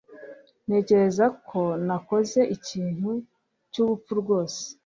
Ntekereza ko nakoze ikintu cyubupfu rwose.